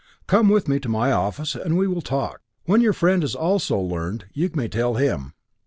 "Come with me to my office, and we will talk. When your friend has also learned, you may tell him."